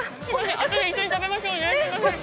あとで一緒に食べましょうね。